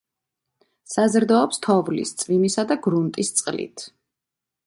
საზრდოობს თოვლის, წვიმისა და გრუნტის წყლით.